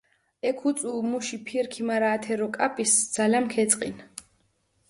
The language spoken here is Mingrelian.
ექ უწუუ მუში ფირქი, მარა ათე როკაპისჷ ძალამქჷ ეწყინჷ.